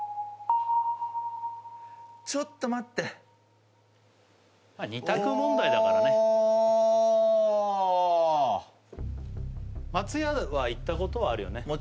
ちょっと待ってまあ２択問題だからねおおまつやは行ったことはあるよね？